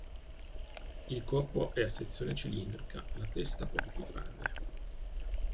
Il corpo è a sezione cilindrica, la testa poco più grande.